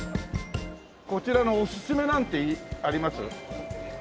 こちらのおすすめなんてあります？